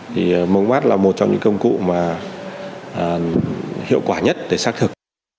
thì mống mắt là một trong những công cụ mà hiệu quả nhất để xác thực